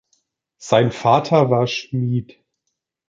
Sein Vater war Schmied.